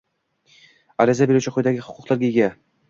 Ariza beruvchi quyidagi huquqlarga ega: